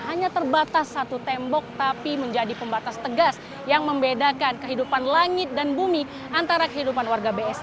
hanya terbatas satu tembok tapi menjadi pembatas tegas yang membedakan kehidupan langit dan bumi antara kehidupan warga bsd